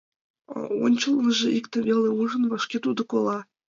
А ончылныжо иктым веле ужын — вашке тудо кола.